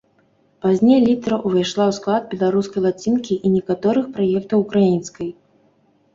Пазней літара ўвайшла ў склад беларускай лацінкі і некаторых праектаў украінскай.